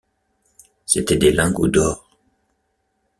C’étaient des lingots d’or.